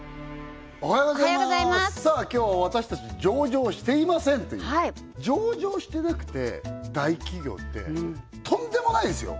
おはようございますさあ今日は私たち上場していません！という上場してなくて大企業ってとんでもないですよ